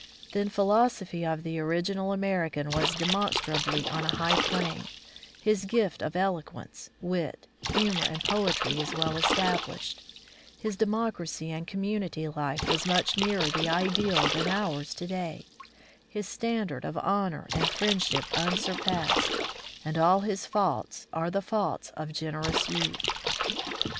The philosophy of the original American was demonstrably on a high plane, his gift of eloquence, wit, humor and poetry is well established; his democracy and community life was much nearer the ideal than ours to day ; his standard of honor and friendship unsurpassed, and all his faults are the faults of generous youth.